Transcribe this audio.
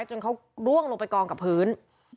จนเขาร่วงลงไปกองกับพื้น